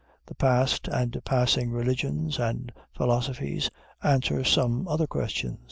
The past and passing religions and philosophies answer some other question.